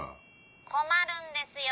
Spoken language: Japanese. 困るんですよ。